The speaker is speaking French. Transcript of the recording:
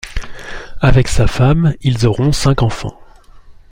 Avec sa femme ils auront cinq enfants.